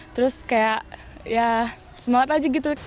terus kayak ya semangat aja gitu